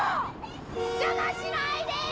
邪魔しないで！